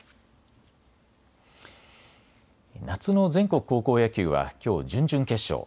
夏の全国高校野球はきょう準々決勝。